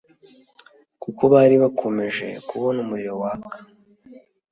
kuko bari bakomeje kubona umuriro waka